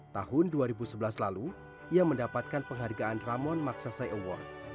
tahun dua ribu sebelas lalu ia mendapatkan penghargaan ramon maksasai award